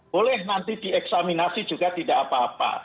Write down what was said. boleh nanti dieksaminasi juga tidak apa apa